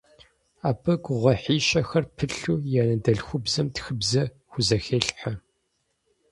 Абы гугъуехьищэхэр пылъу и анэдэльхубзэм тхыбзэ хузэхелъхьэ.